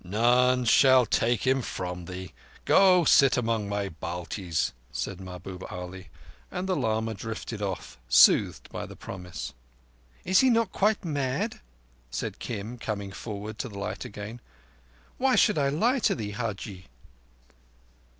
"None shall take him from thee. Go, sit among my Baltis," said Mahbub Ali, and the lama drifted off, soothed by the promise. "Is he not quite mad?" said Kim, coming forward to the light again. "Why should I lie to thee, Hajji?"